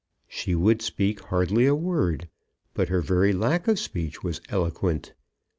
She would speak hardly a word; but her very lack of speech was eloquent.